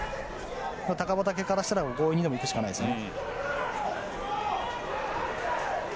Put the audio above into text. タカバタケからしたら強引にでも行くしかないですね。